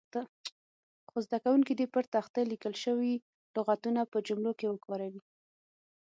څو زده کوونکي دې پر تخته لیکل شوي لغتونه په جملو کې وکاروي.